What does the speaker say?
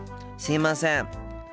すいません。